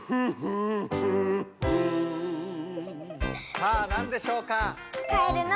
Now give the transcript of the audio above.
さあなんでしょうか？